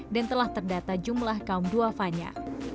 dan telah terdata jumlah kaum duah pahnya